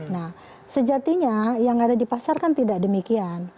nah sejatinya yang ada di pasar kan tidak demikian